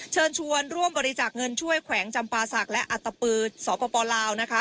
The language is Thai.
เชิญชวนร่วมบริจาคเงินช่วยแขวงจำปาศักดิ์และอัตตปือสปลาวนะคะ